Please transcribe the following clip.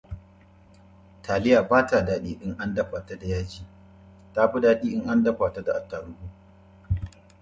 The governor took office the third Tuesday of January and had a three-year term.